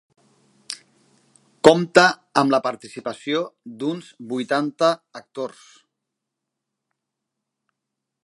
Compta amb la participació d'uns vuitanta actors.